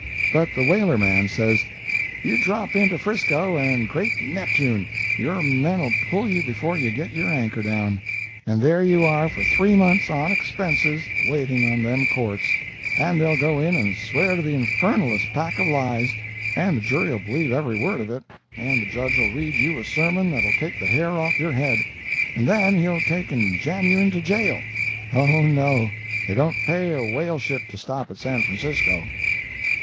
But the whaler man says, "You drop into 'Frisco and great Neptune! your men'll pull you before you get your anchor down—and there you are for three months, on expenses, waiting on them Courts; and they'll go in and swear to the infernalest pack of lies, and the jury'll believe every word of it, and the Judge'll read you a sermon that'll take the hair off your head, and then he'll take and jam you into a jail. Oh, no; it don't pay a whale ship to stop at San Francisco."